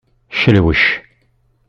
Celwec.